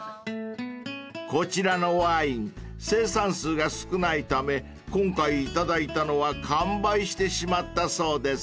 ［こちらのワイン生産数が少ないため今回頂いたのは完売してしまったそうです］